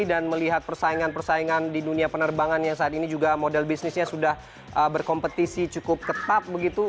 dan melihat persaingan persaingan di dunia penerbangan yang saat ini juga model bisnisnya sudah berkompetisi cukup ketat begitu